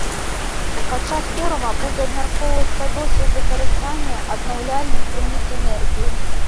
Падчас форума будзе абмяркоўвацца досвед выкарыстання аднаўляльных крыніц энергіі.